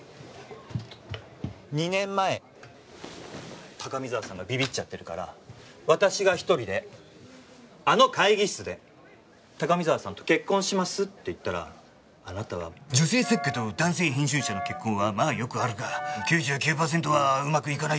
２年前高見沢さんがビビっちゃってるから私が一人であの会議室で「高見沢さんと結婚します」って言ったらあなたは「女性作家と男性編集者の結婚はまあよくあるが９９パーセントはうまくいかない」。